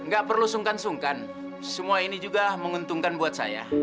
gak perlu sungkan sungkan semua ini juga menguntungkan buat saya